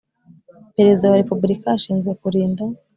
Perezida wa repubulika ashinzwe kurinda